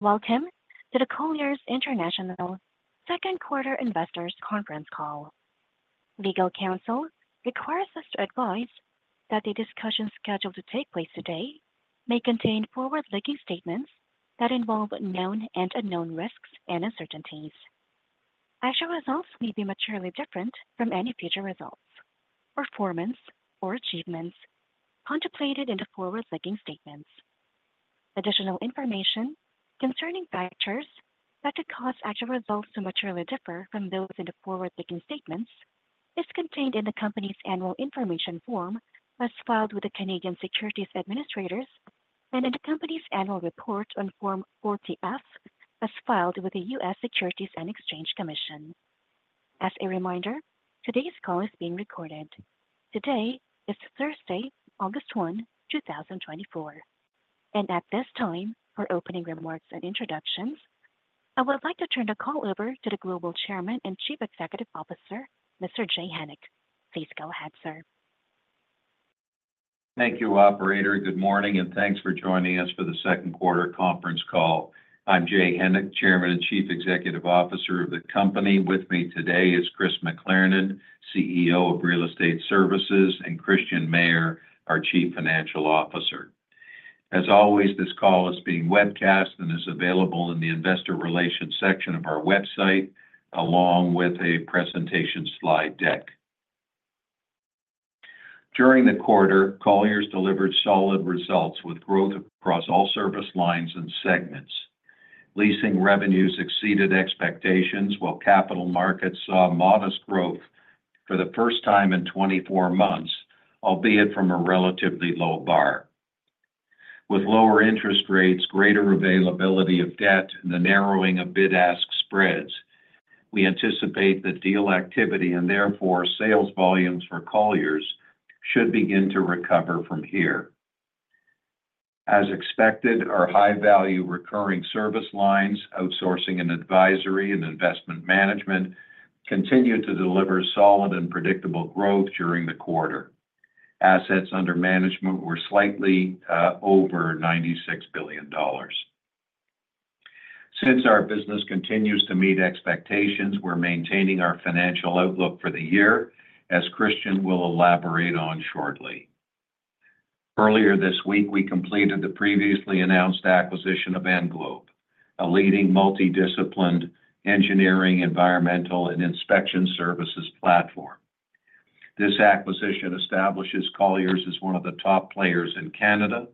Welcome to the Colliers International Second Quarter Investors' Conference Call. Legal counsel requires us to advise that the discussions scheduled to take place today may contain forward-looking statements that involve known and unknown risks and uncertainties. Actual results may be materially different from any future results. Performance or achievements contemplated in the forward-looking statements. Additional information concerning factors that could cause actual results to materially differ from those in the forward-looking statements is contained in the company's annual information form as filed with the Canadian Securities Administrators and in the company's annual report on Form 40-F as filed with the U.S. Securities and Exchange Commission. As a reminder, today's call is being recorded. Today is Thursday, August 1, 2024. At this time, for opening remarks and introductions, I would like to turn the call over to the Global Chairman and Chief Executive Officer, Mr. Jay Hennick. Please go ahead, sir. Thank you, Operator. Good morning, and thanks for joining us for the Second Quarter Conference Call. I'm Jay Hennick, Chairman and Chief Executive Officer of the company. With me today is Chris McLernon, CEO of Real Estate Services, and Christian Mayer, our Chief Financial Officer. As always, this call is being webcast and is available in the Investor Relations section of our website, along with a presentation slide deck. During the quarter, Colliers delivered solid results with growth across all service lines and segments. Leasing revenues exceeded expectations, while capital markets saw modest growth for the first time in 24 months, albeit from a relatively low bar. With lower interest rates, greater availability of debt, and the narrowing of bid-ask spreads, we anticipate that deal activity and therefore sales volumes for Colliers should begin to recover from here. As expected, our high-value recurring service lines, outsourcing and advisory, and investment management continue to deliver solid and predictable growth during the quarter. Assets under management were slightly over $96 billion. Since our business continues to meet expectations, we're maintaining our financial outlook for the year, as Christian will elaborate on shortly. Earlier this week, we completed the previously announced acquisition of AntGlobe, a leading multidisciplined engineering, environmental, and inspection services platform. This acquisition establishes Colliers as one of the top players in Canada,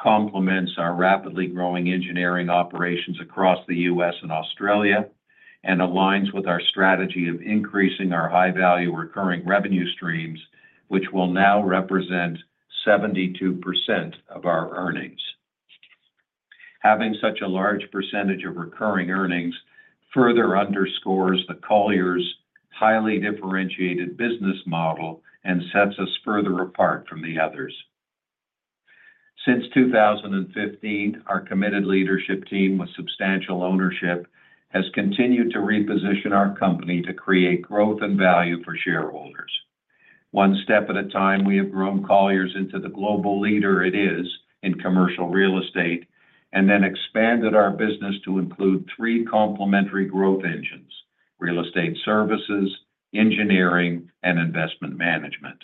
complements our rapidly growing engineering operations across the U.S. and Australia, and aligns with our strategy of increasing our high-value recurring revenue streams, which will now represent 72% of our earnings. Having such a large percentage of recurring earnings further underscores the Colliers' highly differentiated business model and sets us further apart from the others. Since 2015, our committed leadership team with substantial ownership has continued to reposition our company to create growth and value for shareholders. One step at a time, we have grown Colliers into the global leader it is in commercial real estate and then expanded our business to include three complementary growth engines: real estate services, engineering, and investment management.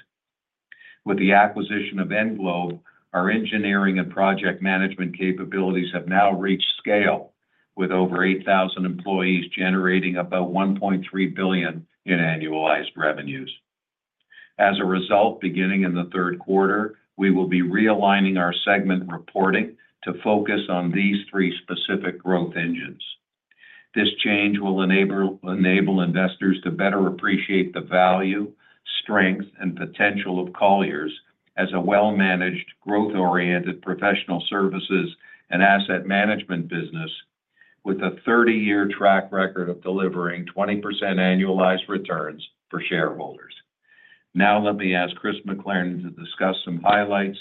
With the acquisition of AntGlobe, our engineering and project management capabilities have now reached scale, with over 8,000 employees generating about $1.3 billion in annualized revenues. As a result, beginning in the third quarter, we will be realigning our segment reporting to focus on these three specific growth engines. This change will enable investors to better appreciate the value, strength, and potential of Colliers as a well-managed, growth-oriented professional services and asset management business with a 30-year track record of delivering 20% annualized returns for shareholders. Now, let me ask Chris McLernon to discuss some highlights.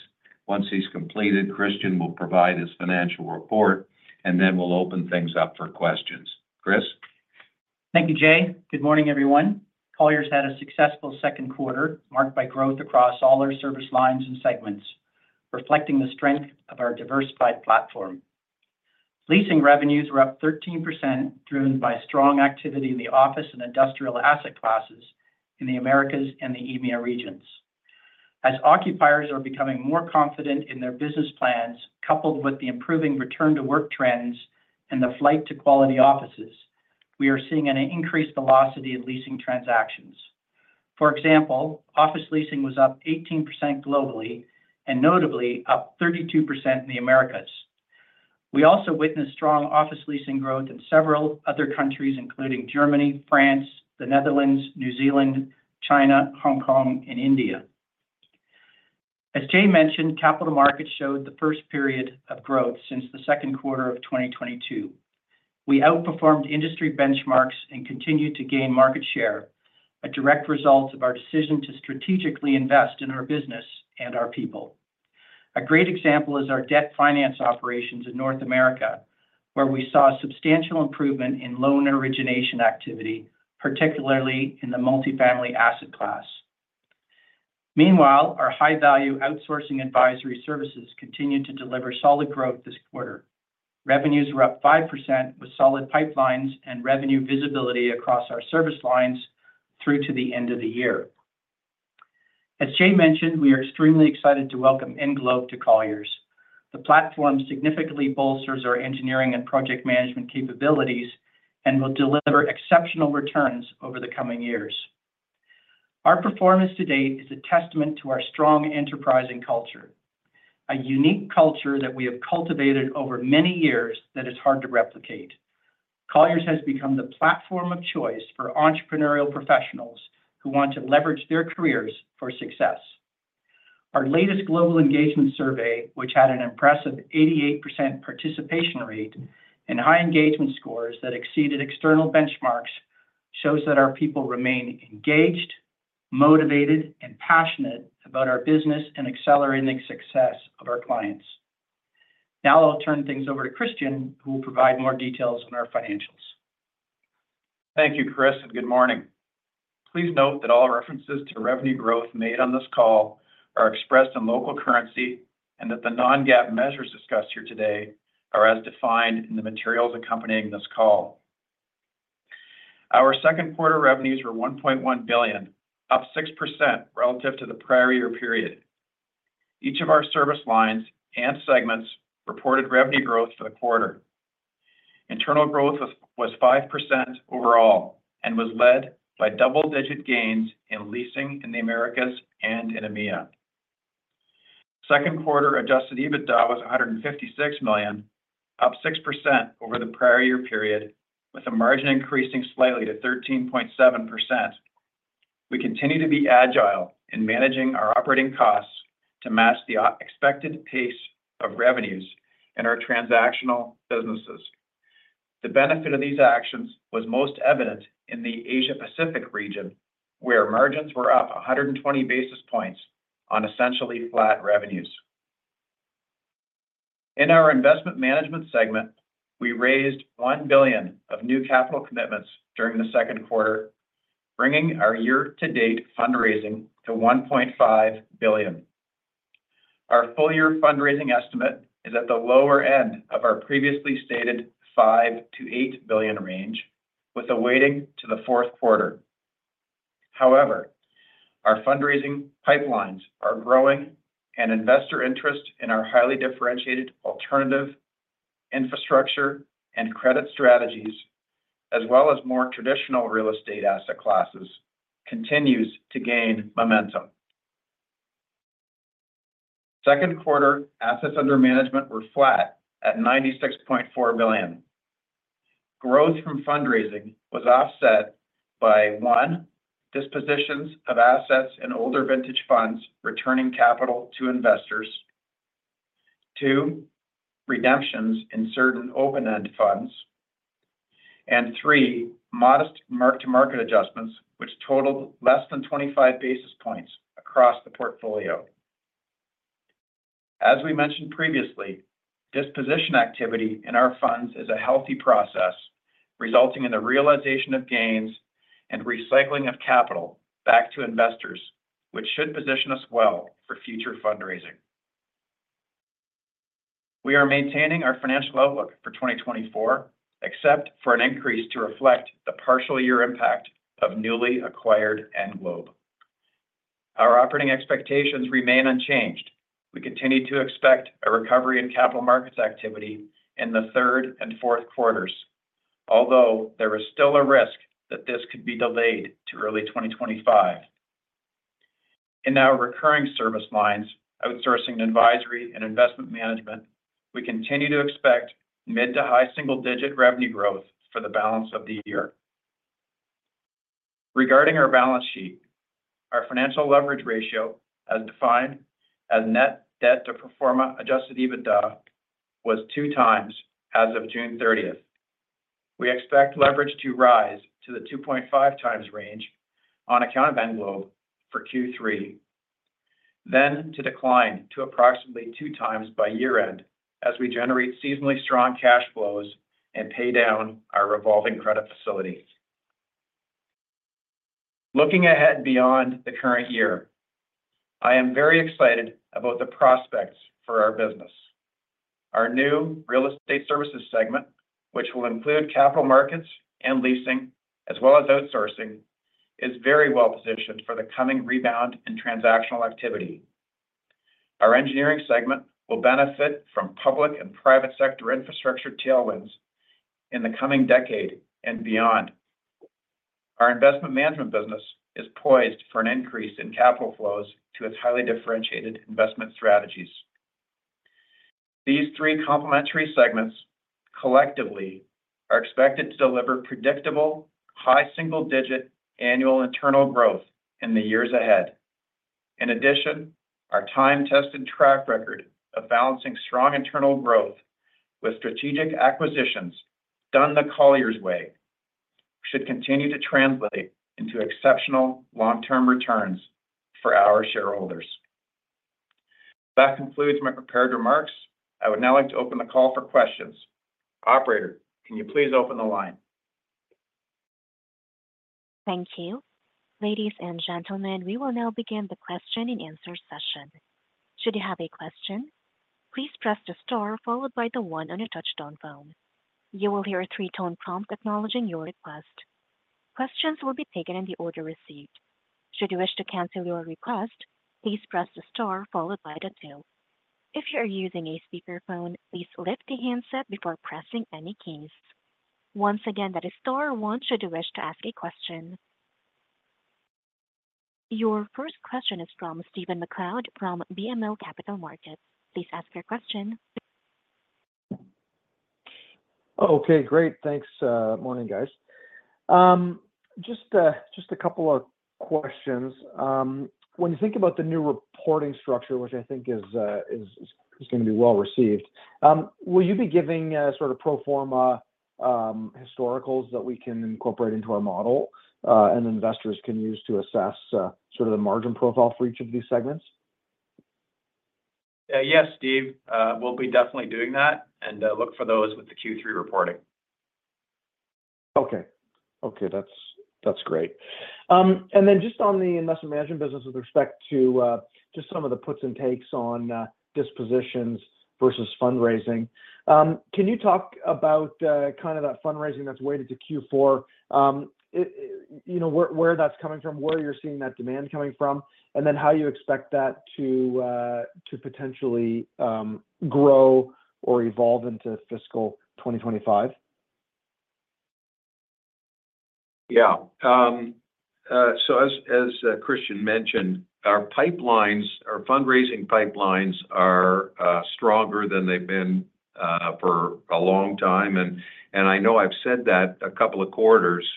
Once he's completed, Christian will provide his financial report, and then we'll open things up for questions. Chris? Thank you, Jay. Good morning, everyone. Colliers had a successful second quarter marked by growth across all our service lines and segments, reflecting the strength of our diversified platform. Leasing revenues were up 13%, driven by strong activity in the office and industrial asset classes in the Americas and the EMEA regions. As occupiers are becoming more confident in their business plans, coupled with the improving return-to-work trends and the flight to quality offices, we are seeing an increased velocity in leasing transactions. For example, office leasing was up 18% globally and notably up 32% in the Americas. We also witnessed strong office leasing growth in several other countries, including Germany, France, the Netherlands, New Zealand, China, Hong Kong, and India. As Jay mentioned, capital markets showed the first period of growth since the second quarter of 2022. We outperformed industry benchmarks and continued to gain market share, a direct result of our decision to strategically invest in our business and our people. A great example is our debt finance operations in North America, where we saw substantial improvement in loan origination activity, particularly in the multifamily asset class. Meanwhile, our high-value outsourcing advisory services continued to deliver solid growth this quarter. Revenues were up 5% with solid pipelines and revenue visibility across our service lines through to the end of the year. As Jay mentioned, we are extremely excited to welcome AntGlobe to Colliers. The platform significantly bolsters our engineering and project management capabilities and will deliver exceptional returns over the coming years. Our performance to date is a testament to our strong enterprising culture, a unique culture that we have cultivated over many years that is hard to replicate. Colliers has become the platform of choice for entrepreneurial professionals who want to leverage their careers for success. Our latest global engagement survey, which had an impressive 88% participation rate and high engagement scores that exceeded external benchmarks, shows that our people remain engaged, motivated, and passionate about our business and accelerating the success of our clients. Now, I'll turn things over to Christian, who will provide more details on our financials. Thank you, Chris, and good morning. Please note that all references to revenue growth made on this call are expressed in local currency and that the non-GAAP measures discussed here today are as defined in the materials accompanying this call. Our second quarter revenues were $1.1 billion, up 6% relative to the prior year period. Each of our service lines and segments reported revenue growth for the quarter. Internal growth was 5% overall and was led by double-digit gains in leasing in the Americas and in EMEA. Second quarter Adjusted EBITDA was $156 million, up 6% over the prior year period, with the margin increasing slightly to 13.7%. We continue to be agile in managing our operating costs to match the expected pace of revenues in our transactional businesses. The benefit of these actions was most evident in the Asia-Pacific region, where margins were up 120 basis points on essentially flat revenues. In our investment management segment, we raised $1 billion of new capital commitments during the second quarter, bringing our year-to-date fundraising to $1.5 billion. Our full-year fundraising estimate is at the lower end of our previously stated $5 billion-$8 billion range, with a weighting to the fourth quarter. However, our fundraising pipelines are growing, and investor interest in our highly differentiated alternative infrastructure and credit strategies, as well as more traditional real estate asset classes, continues to gain momentum. Second quarter assets under management were flat at $96.4 billion. Growth from fundraising was offset by: one, dispositions of assets in older vintage funds returning capital to investors, two, redemptions in certain open-end funds, and three, modest mark-to-market adjustments, which totaled less than 25 basis points across the portfolio. As we mentioned previously, disposition activity in our funds is a healthy process, resulting in the realization of gains and recycling of capital back to investors, which should position us well for future fundraising. We are maintaining our financial outlook for 2024, except for an increase to reflect the partial year impact of newly acquired AntGlobe. Our operating expectations remain unchanged. We continue to expect a recovery in capital markets activity in the third and fourth quarters, although there is still a risk that this could be delayed to early 2025. In our recurring service lines, outsourcing and advisory and investment management, we continue to expect mid- to high single-digit revenue growth for the balance of the year. Regarding our balance sheet, our financial leverage ratio, as defined as net debt to pro forma Adjusted EBITDA, was 2x as of June 30th. We expect leverage to rise to the 2.5x range on account of AntGlobe for Q3, then to decline to approximately 2x by year-end as we generate seasonally strong cash flows and pay down our revolving credit facility. Looking ahead beyond the current year, I am very excited about the prospects for our business. Our new Real Estate Services segment, which will include capital markets and leasing, as well as outsourcing, is very well positioned for the coming rebound in transactional activity. Our engineering segment will benefit from public and private sector infrastructure tailwinds in the coming decade and beyond. Our investment management business is poised for an increase in capital flows to its highly differentiated investment strategies. These three complementary segments collectively are expected to deliver predictable high single-digit annual internal growth in the years ahead. In addition, our time-tested track record of balancing strong internal growth with strategic acquisitions done the Colliers way should continue to translate into exceptional long-term returns for our shareholders. That concludes my prepared remarks. I would now like to open the call for questions. Operator, can you please open the line? Thank you. Ladies and gentlemen, we will now begin the question-and-answer session. Should you have a question, please press the star followed by the one on your touch-tone phone. You will hear a three-tone prompt acknowledging your request. Questions will be taken in the order received. Should you wish to cancel your request, please press the star followed by the two. If you are using a speakerphone, please lift the handset before pressing any keys. Once again, that is star one should you wish to ask a question. Your first question is from Steven McLeod from BMO Capital Markets. Please ask your question. Okay, great. Thanks. Morning, guys. Just a couple of questions. When you think about the new reporting structure, which I think is going to be well received, will you be giving sort of pro forma historicals that we can incorporate into our model and investors can use to assess sort of the margin profile for each of these segments? Yes, Steve. We'll be definitely doing that and look for those with the Q3 reporting. Okay. Okay, that's great. Then just on the investment management business with respect to just some of the puts and takes on dispositions versus fundraising, can you talk about kind of that fundraising that's weighted to Q4, where that's coming from, where you're seeing that demand coming from, and then how you expect that to potentially grow or evolve into fiscal 2025? Yeah. So as Christian mentioned, our fundraising pipelines are stronger than they've been for a long time. And I know I've said that a couple of quarters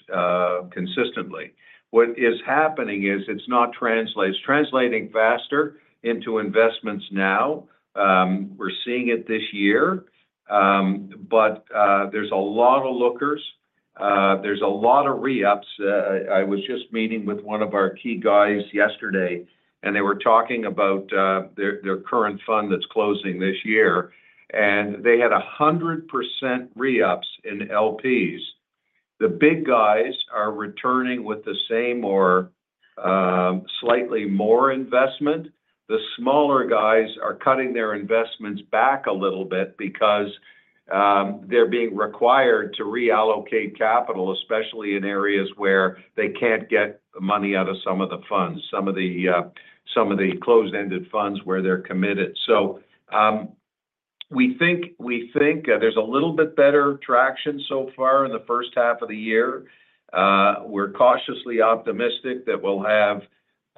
consistently. What is happening is it's not translating. It's translating faster into investments now. We're seeing it this year, but there's a lot of lookers. There's a lot of re-ups. I was just meeting with one of our key guys yesterday, and they were talking about their current fund that's closing this year, and they had 100% re-ups in LPs. The big guys are returning with the same or slightly more investment. The smaller guys are cutting their investments back a little bit because they're being required to reallocate capital, especially in areas where they can't get money out of some of the funds, some of the closed-ended funds where they're committed. So we think there's a little bit better traction so far in the first half of the year. We're cautiously optimistic that we'll have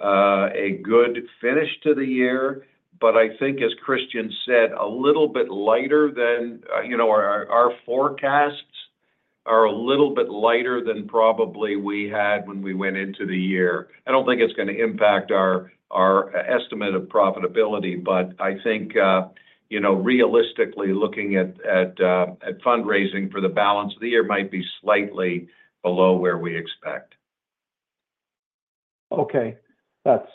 a good finish to the year. But I think, as Christian said, a little bit lighter than our forecasts are a little bit lighter than probably we had when we went into the year. I don't think it's going to impact our estimate of profitability, but I think realistically, looking at fundraising for the balance of the year might be slightly below where we expect. Okay. That's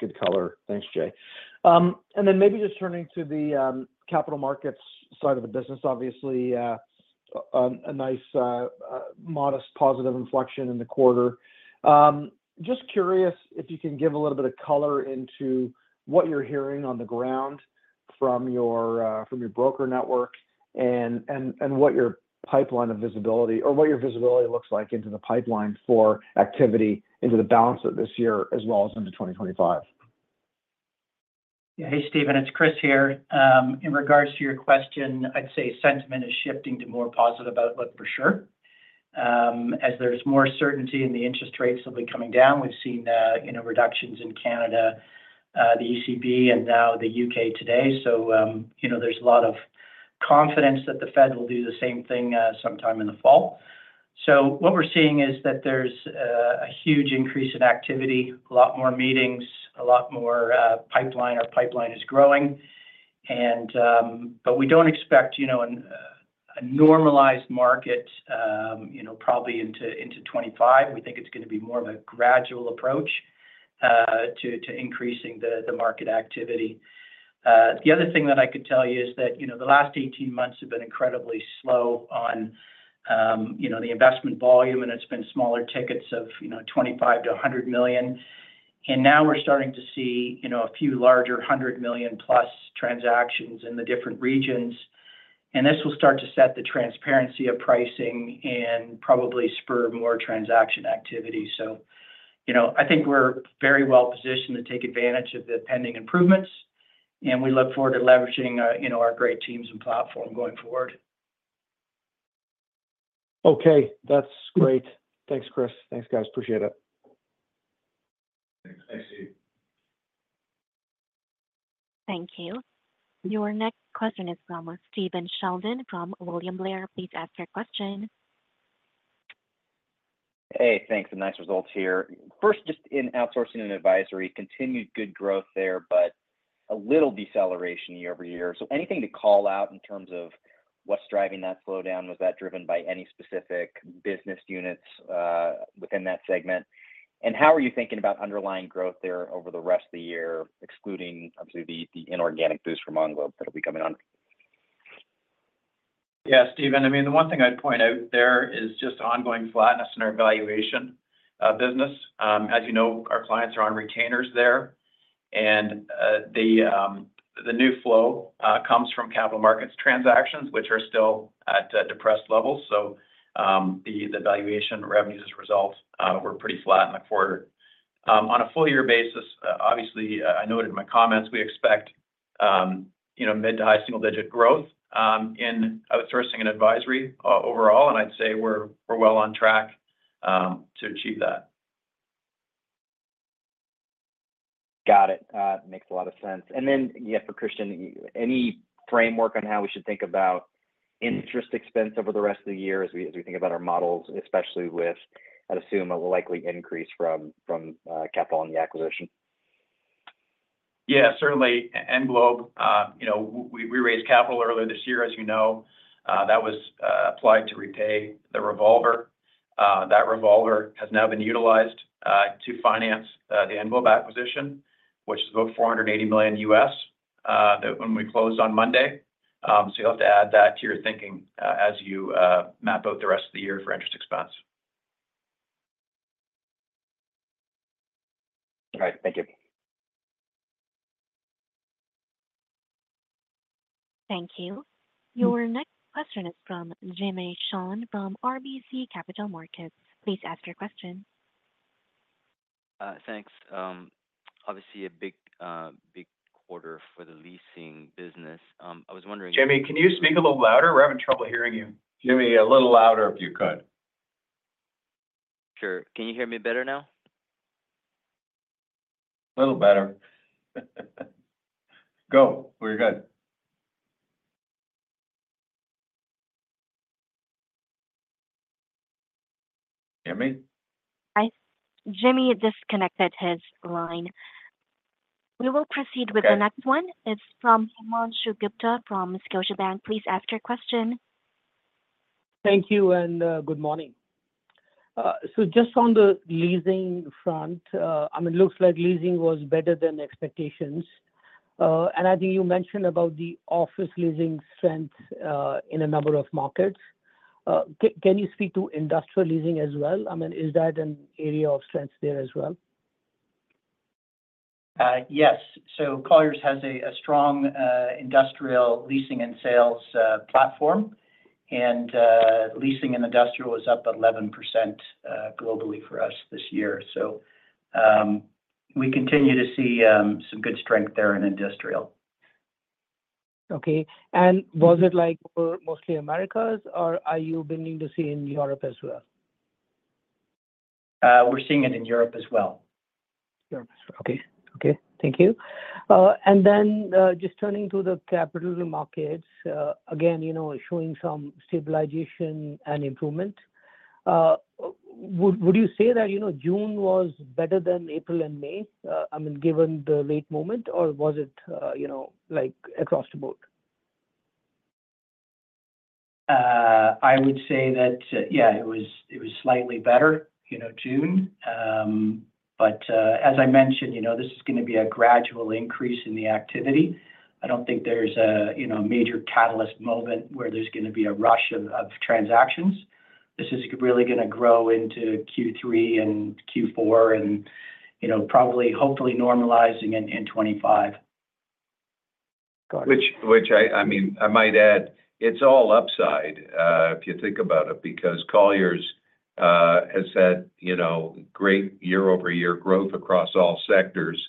good color. Thanks, Jay. And then maybe just turning to the capital markets side of the business, obviously, a nice modest positive inflection in the quarter. Just curious if you can give a little bit of color into what you're hearing on the ground from your broker network and what your pipeline of visibility or what your visibility looks like into the pipeline for activity into the balance of this year as well as into 2025? Yeah. Hey, Stephen, it's Chris here. In regards to your question, I'd say sentiment is shifting to more positive outlook for sure. As there's more certainty in the interest rates will be coming down, we've seen reductions in Canada, the ECB, and now the UK today. So there's a lot of confidence that the Fed will do the same thing sometime in the fall. So what we're seeing is that there's a huge increase in activity, a lot more meetings, a lot more pipeline. Our pipeline is growing. But we don't expect a normalized market probably into 2025. We think it's going to be more of a gradual approach to increasing the market activity. The other thing that I could tell you is that the last 18 months have been incredibly slow on the investment volume, and it's been smaller tickets of $25 million-$100 million. Now we're starting to see a few larger $100 million+ transactions in the different regions. This will start to set the transparency of pricing and probably spur more transaction activity. I think we're very well positioned to take advantage of the pending improvements, and we look forward to leveraging our great teams and platform going forward. Okay. That's great. Thanks, Chris. Thanks, guys. Appreciate it. Thanks. Thanks, Steve. Thank you. Your next question is from Stephen Sheldon from William Blair. Please ask your question. Hey, thanks. A nice result here. First, just in outsourcing and advisory, continued good growth there, but a little deceleration year-over-year. So anything to call out in terms of what's driving that slowdown? Was that driven by any specific business units within that segment? And how are you thinking about underlying growth there over the rest of the year, excluding obviously the inorganic boost from AntGlobe that will be coming on? Yeah, Steven, I mean, the one thing I'd point out there is just ongoing flatness in our valuation business. As you know, our clients are on retainers there. And the new flow comes from capital markets transactions, which are still at depressed levels. So the valuation revenues as a result were pretty flat in the quarter. On a full-year basis, obviously, I noted in my comments, we expect mid to high single-digit growth in outsourcing and advisory overall. And I'd say we're well on track to achieve that. Got it. Makes a lot of sense. And then, yeah, for Christian, any framework on how we should think about interest expense over the rest of the year as we think about our models, especially with, I'd assume, a likely increase from capital on the acquisition? Yeah, certainly. AntGlobe, we raised capital earlier this year, as you know. That was applied to repay the revolver. That revolver has now been utilized to finance the AntGlobe acquisition, which is about $480 million when we closed on Monday. So you'll have to add that to your thinking as you map out the rest of the year for interest expense. All right. Thank you. Thank you. Your next question is from Jimmy Shan from RBC Capital Markets. Please ask your question. Thanks. Obviously, a big quarter for the leasing business. I was wondering. Jimmy, can you speak a little louder? We're having trouble hearing you. Jimmy, a little louder if you could. Sure. Can you hear me better now? A little better. Go. We're good. Jimmy? Jimmy disconnected his line. We will proceed with the next one. It's from Himanshu Gupta from Scotiabank. Please ask your question. Thank you and good morning. Just on the leasing front, I mean, it looks like leasing was better than expectations. I think you mentioned about the office leasing strength in a number of markets. Can you speak to industrial leasing as well? I mean, is that an area of strength there as well? Yes. Colliers has a strong industrial leasing and sales platform. Leasing in industrial was up 11% globally for us this year. We continue to see some good strength there in industrial. Okay. Was it like for mostly Americas, or are you beginning to see in Europe as well? We're seeing it in Europe as well. Europe. Okay. Okay. Thank you. And then just turning to the capital markets, again showing some stabilization and improvement. Would you say that June was better than April and May? I mean, given the late moment, or was it across the board? I would say that, yeah, it was slightly better, June. But as I mentioned, this is going to be a gradual increase in the activity. I don't think there's a major catalyst moment where there's going to be a rush of transactions. This is really going to grow into Q3 and Q4 and probably, hopefully, normalizing in 2025. Which, I mean, I might add, it's all upside if you think about it because Colliers has had great year-over-year growth across all sectors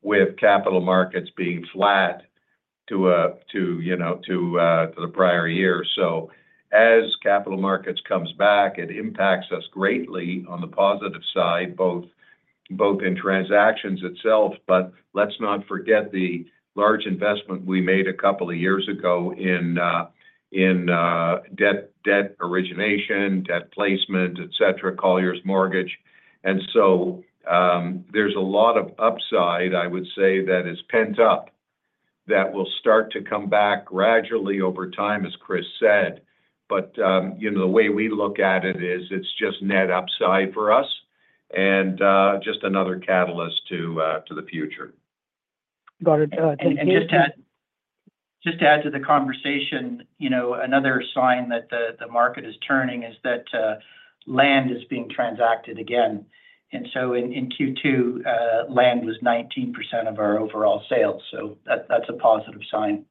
with capital markets being flat to the prior year. So as capital markets come back, it impacts us greatly on the positive side, both in transactions itself, but let's not forget the large investment we made a couple of years ago in debt origination, debt placement, etc., Colliers Mortgage. And so there's a lot of upside, I would say, that is pent up that will start to come back gradually over time, as Chris said. But the way we look at it is it's just net upside for us and just another catalyst to the future. Got it. Thank you. Just to add to the conversation, another sign that the market is turning is that land is being transacted again. In Q2, land was 19% of our overall sales. That's a positive sign.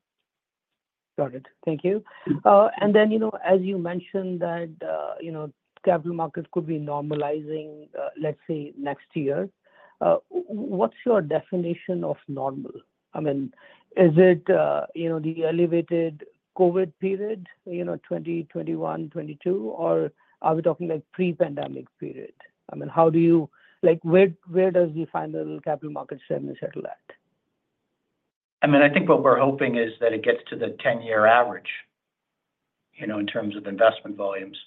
Got it. Thank you. And then, as you mentioned, that capital markets could be normalizing, let's say, next year. What's your definition of normal? I mean, is it the elevated COVID period, 2021, 2022, or are we talking pre-pandemic period? I mean, how do you, where does the final capital markets segment settle at? I mean, I think what we're hoping is that it gets to the 10-year average in terms of investment volumes.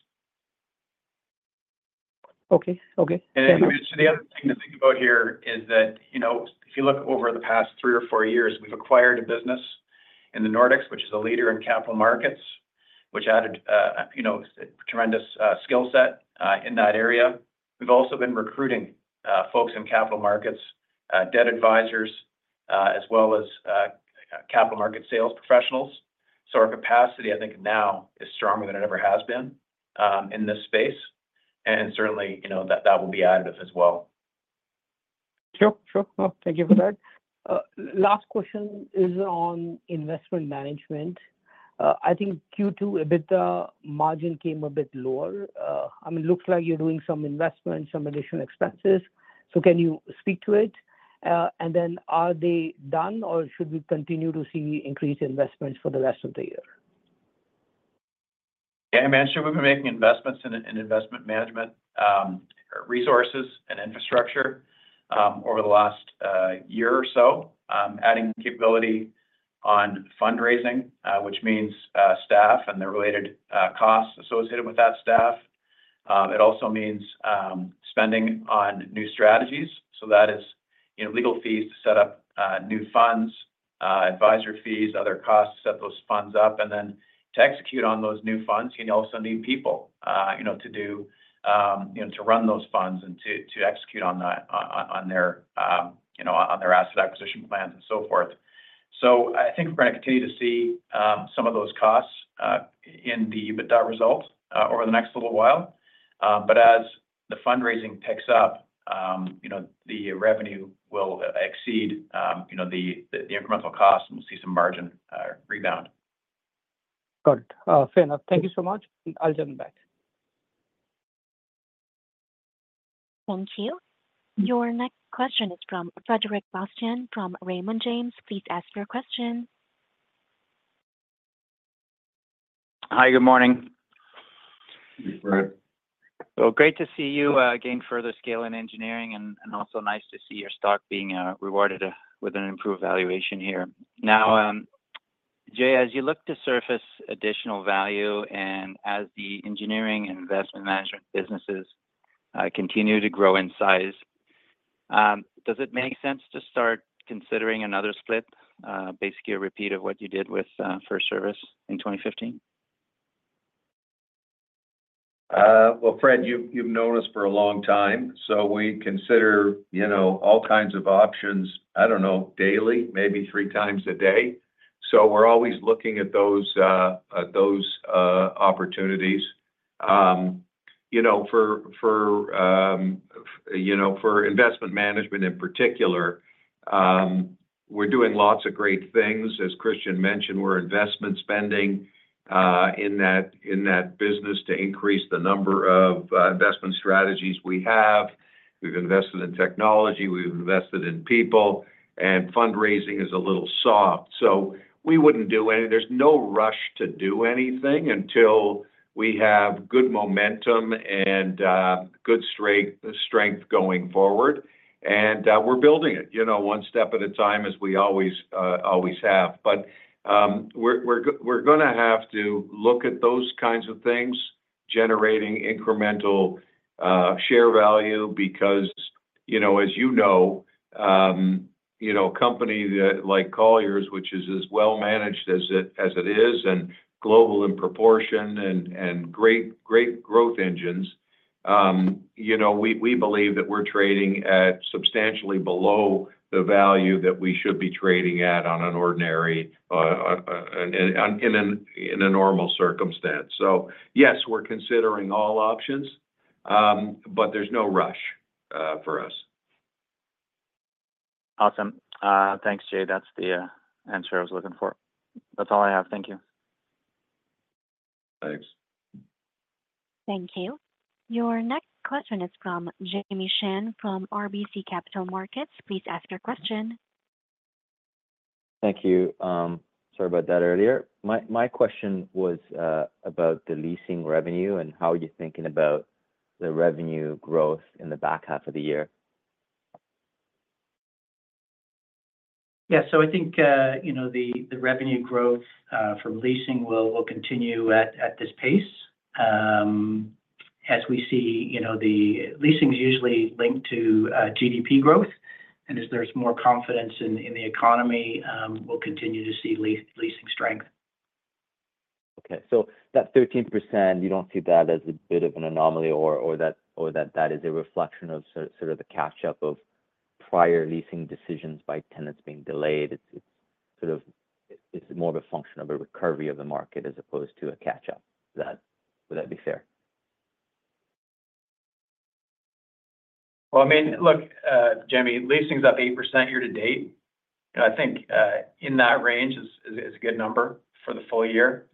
Okay. Okay. Thank you. And so the other thing to think about here is that if you look over the past three or four years, we've acquired a business in the Nordics, which is a leader in capital markets, which added a tremendous skill set in that area. We've also been recruiting folks in capital markets, debt advisors, as well as capital market sales professionals. So our capacity, I think, now is stronger than it ever has been in this space. And certainly, that will be additive as well. Sure. Sure. Thank you for that. Last question is on investment management. I think Q2, a bit the margin came a bit lower. I mean, it looks like you're doing some investments, some additional expenses. So can you speak to it? And then are they done, or should we continue to see increased investments for the rest of the year? Yeah. I mean, I'm sure we've been making investments in investment management resources and infrastructure over the last year or so, adding capability on fundraising, which means staff and the related costs associated with that staff. It also means spending on new strategies. So that is legal fees to set up new funds, advisory fees, other costs to set those funds up. And then to execute on those new funds, you also need people to run those funds and to execute on their asset acquisition plans and so forth. So I think we're going to continue to see some of those costs in the result over the next little while. But as the fundraising picks up, the revenue will exceed the incremental costs, and we'll see some margin rebound. Got it. Fair enough. Thank you so much. I'll jump back. Thank you. Your next question is from Frederic Bastien from Raymond James. Please ask your question. Hi. Good morning. Good morning, Fred. Well, great to see you gain further scale in engineering, and also nice to see your stock being rewarded with an improved valuation here. Now, Jay, as you look to surface additional value and as the engineering and investment management businesses continue to grow in size, does it make sense to start considering another split, basically a repeat of what you did with FirstService in 2015? Well, Fred, you've known us for a long time. So we consider all kinds of options, I don't know, daily, maybe 3x a day. So we're always looking at those opportunities. For investment management in particular, we're doing lots of great things. As Christian mentioned, we're investment spending in that business to increase the number of investment strategies we have. We've invested in technology. We've invested in people. And fundraising is a little soft. So we wouldn't do any. There's no rush to do anything until we have good momentum and good strength going forward. And we're building it one step at a time, as we always have. But we're going to have to look at those kinds of things, generating incremental share value because, as you know, a company like Colliers, which is as well-managed as it is and global in proportion and great growth engines, we believe that we're trading at substantially below the value that we should be trading at on an ordinary, in a normal circumstance. So yes, we're considering all options, but there's no rush for us. Awesome. Thanks, Jay. That's the answer I was looking for. That's all I have. Thank you. Thanks. Thank you. Your next question is from Jimmy Shan from RBC Capital Markets. Please ask your question. Thank you. Sorry about that earlier. My question was about the leasing revenue and how you're thinking about the revenue growth in the back half of the year. Yeah. I think the revenue growth from leasing will continue at this pace as we see the leasing's usually linked to GDP growth. And as there's more confidence in the economy, we'll continue to see leasing strength. Okay. So that 13%, you don't see that as a bit of an anomaly or that that is a reflection of sort of the catch-up of prior leasing decisions by tenants being delayed? It's sort of more of a function of a recovery of the market as opposed to a catch-up. Would that be fair? Well, I mean, look, Jimmy, leasing's up 8% year-to-date. I think in that range is a good number for the full year.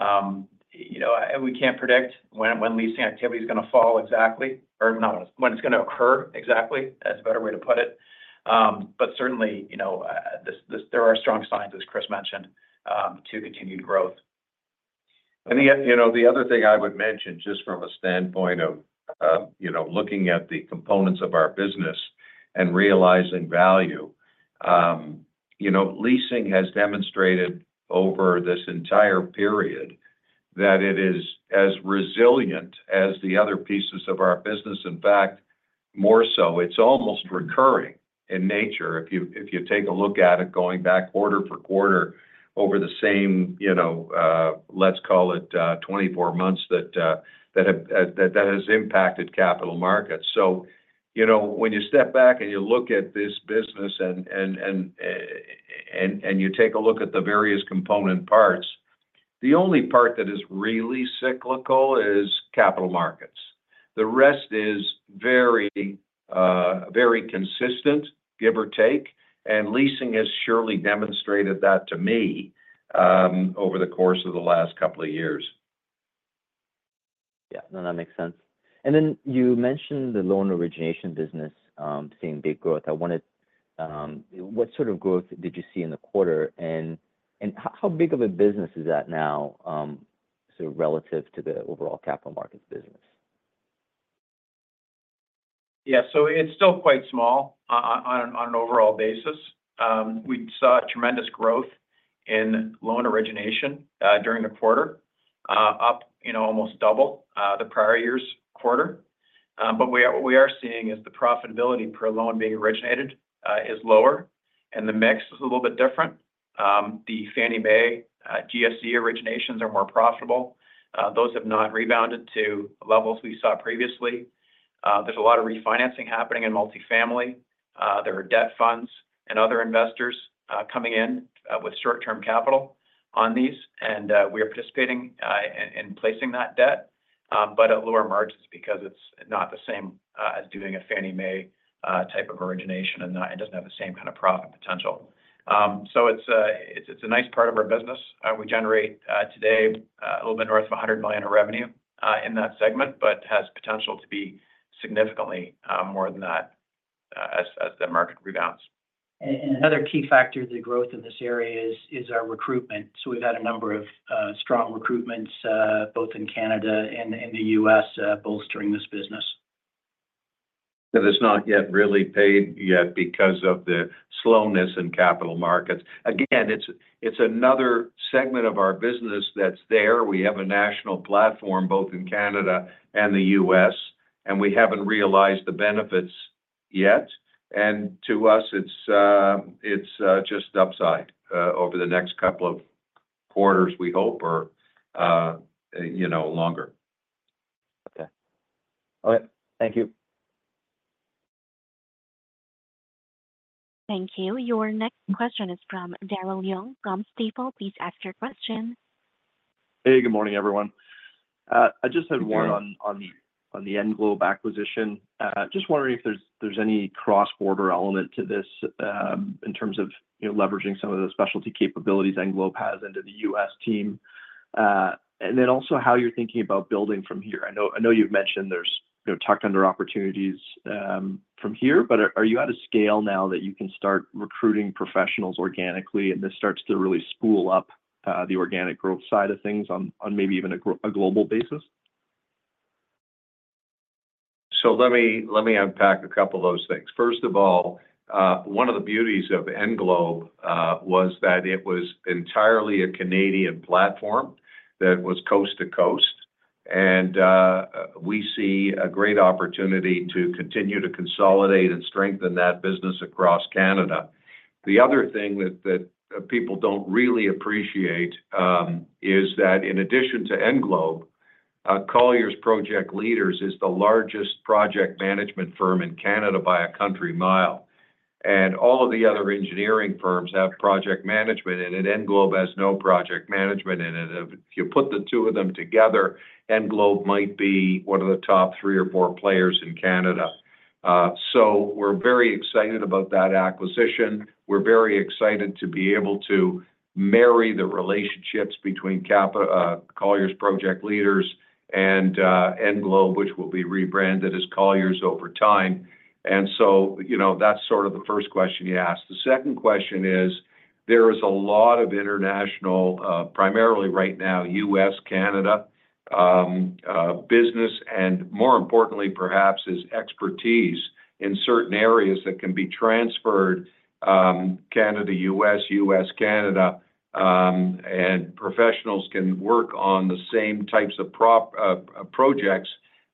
We can't predict when leasing activity is going to fall exactly or when it's going to occur exactly, that's a better way to put it. But certainly, there are strong signs, as Chris mentioned, to continued growth. I think the other thing I would mention just from a standpoint of looking at the components of our business and realizing value, leasing has demonstrated over this entire period that it is as resilient as the other pieces of our business. In fact, more so, it's almost recurring in nature if you take a look at it going back quarter for quarter over the same, let's call it, 24 months that has impacted capital markets. So when you step back and you look at this business and you take a look at the various component parts, the only part that is really cyclical is capital markets. The rest is very consistent, give or take. And leasing has surely demonstrated that to me over the course of the last couple of years. Yeah. No, that makes sense. Then you mentioned the loan origination business seeing big growth. What sort of growth did you see in the quarter? And how big of a business is that now sort of relative to the overall capital markets business? Yeah. So it's still quite small on an overall basis. We saw tremendous growth in loan origination during the quarter, up almost double the prior year's quarter. But what we are seeing is the profitability per loan being originated is lower, and the mix is a little bit different. The Fannie Mae GSE originations are more profitable. Those have not rebounded to levels we saw previously. There's a lot of refinancing happening in multifamily. There are debt funds and other investors coming in with short-term capital on these. And we are participating in placing that debt, but at lower margins because it's not the same as doing a Fannie Mae type of origination, and it doesn't have the same kind of profit potential. So it's a nice part of our business. We generate today a little bit north of $100 million in revenue in that segment, but has potential to be significantly more than that as the market rebounds. Another key factor in the growth in this area is our recruitment. So we've had a number of strong recruitments both in Canada and in the U.S. bolstering this business. That is not yet really paid yet because of the slowness in capital markets. Again, it's another segment of our business that's there. We have a national platform both in Canada and the U.S., and we haven't realized the benefits yet. And to us, it's just upside over the next couple of quarters, we hope, or longer. Okay. All right. Thank you. Thank you. Your next question is from Daryl Young from Stifel. Please ask your question. Hey, good morning, everyone. I just had one on the Envelope acquisition. Just wondering if there's any cross-border element to this in terms of leveraging some of the specialty capabilities Envelope has into the U.S. team. And then also how you're thinking about building from here. I know you've mentioned there's tucked under opportunities from here, but are you at a scale now that you can start recruiting professionals organically, and this starts to really spool up the organic growth side of things on maybe even a global basis? So let me unpack a couple of those things. First of all, one of the beauties of Envelope was that it was entirely a Canadian platform that was coast to coast. We see a great opportunity to continue to consolidate and strengthen that business across Canada. The other thing that people don't really appreciate is that in addition to Envelope, Colliers Project Leaders is the largest project management firm in Canada by a country mile. All of the other engineering firms have project management, and Envelope has no project management. If you put the two of them together, Envelope might be one of the top three or four players in Canada. We're very excited about that acquisition. We're very excited to be able to marry the relationships between Colliers Project Leaders and Envelope, which will be rebranded as Colliers over time. And so that's sort of the first question you ask. The second question is there is a lot of international, primarily right now, U.S.-Canada business, and more importantly, perhaps, is expertise in certain areas that can be transferred: Canada, U.S., U.S., Canada. And professionals can work on the same types of projects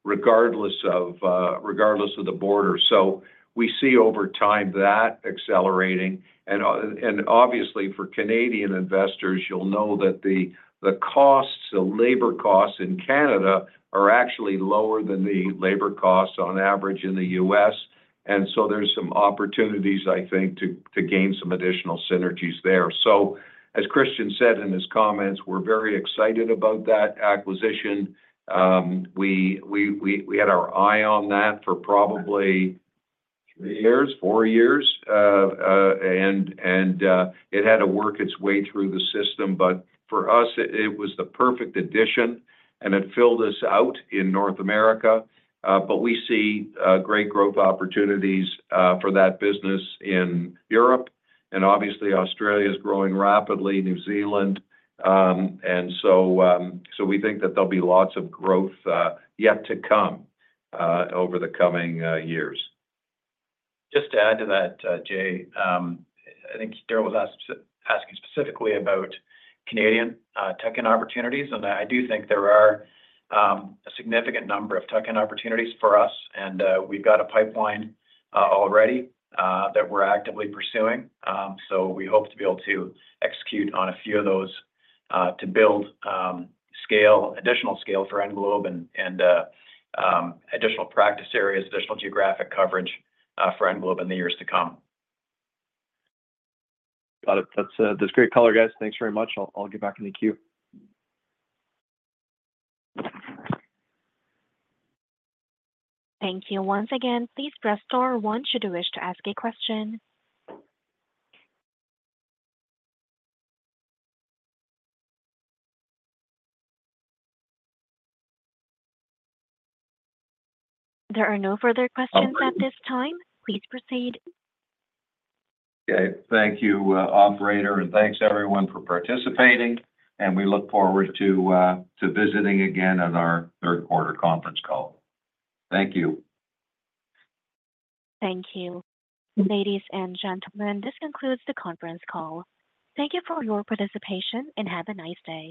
regardless of the border. So we see over time that accelerating. And obviously, for Canadian investors, you'll know that the costs, the labor costs in Canada are actually lower than the labor costs on average in the U.S. And so there's some opportunities, I think, to gain some additional synergies there. So as Christian said in his comments, we're very excited about that acquisition. We had our eye on that for probably three years, four years. And it had to work its way through the system. For us, it was the perfect addition, and it filled us out in North America. We see great growth opportunities for that business in Europe. Obviously, Australia is growing rapidly, New Zealand. So we think that there'll be lots of growth yet to come over the coming years. Just to add to that, Jay, I think Darryl was asking specifically about Canadian tech and opportunities. I do think there are a significant number of tech and opportunities for us. We've got a pipeline already that we're actively pursuing. We hope to be able to execute on a few of those to build additional scale for Envelope and additional practice areas, additional geographic coverage for Envelope in the years to come. Got it. That's great color, guys. Thanks very much. I'll get back in the queue. Thank you once again. Please press star once you wish to ask a question. There are no further questions at this time. Please proceed. Okay. Thank you, operator. Thanks, everyone, for participating. We look forward to visiting again on our third-quarter conference call. Thank you. Thank you. Ladies and gentlemen, this concludes the conference call. Thank you for your participation and have a nice day.